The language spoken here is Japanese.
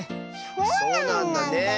そうなんだねえ。